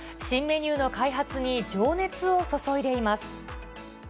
新メニューの開発に情熱を注いでいます。